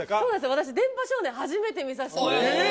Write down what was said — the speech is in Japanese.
私、電波少年、初めて見させてもらって。